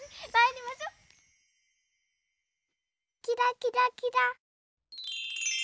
キラキラキラ。